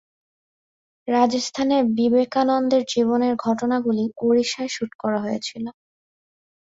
রাজস্থানে বিবেকানন্দের জীবনের ঘটনাগুলি ওড়িশায় শুট করা হয়েছিল।